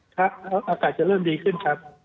ครับอากาศจะเริ่มดีขึ้นครับ